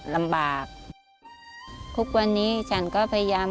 จู๊บลูกจับชาติสุดท้าย